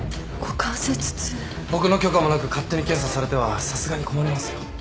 僕の許可もなく勝手に検査されてはさすがに困りますよ。